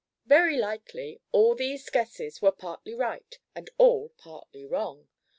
Very likely all these guesses were partly right and all partly wrong.